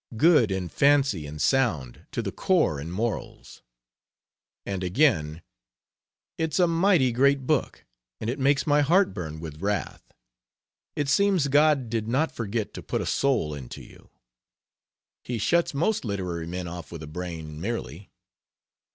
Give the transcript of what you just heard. good in fancy and sound to the core in morals." And again, "It's a mighty great book, and it makes my heart burn with wrath. It seems God did not forget to put a soul into you. He shuts most literary men off with a brain, merely."